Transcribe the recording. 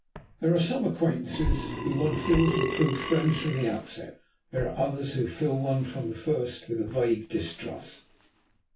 There are some acquaintances who, one feels, will prove friends from the outset; there are others who fill one from the first with a vague distrust.